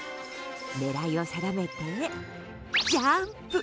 狙いを定めて、ジャンプ！